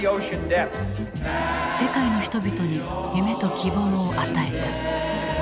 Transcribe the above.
世界の人々に夢と希望を与えた。